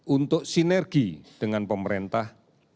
untuk sinergi dengan pemerintah